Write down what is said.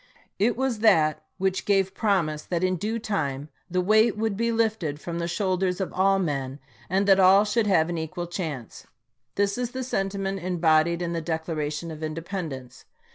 It was that which gave promise that in due time the weight would be lifted from the shoulders of all men and that all should have an equal chance. This is the sentiment embodied in the Declaration of Independence.